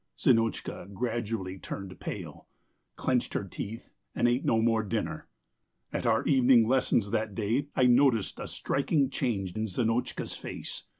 Zinotchka gradually turned pale, clenched her teeth, and ate no more dinner. At our evening lessons that day I noticed a striking change in Zinotchka's face.